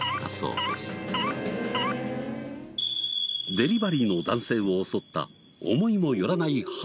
デリバリーの男性を襲った思いも寄らないハプニング。